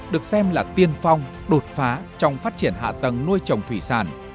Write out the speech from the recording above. được xem là tiên phong đột phá trong phát triển hạ tầng nuôi trồng thủy sản